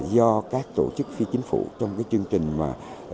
do các tổ chức phi chính phủ trong cái chương trình mà